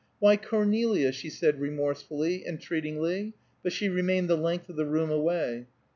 "Why, Cornelia!" she said remorsefully, entreatingly, but she remained the length of the room away.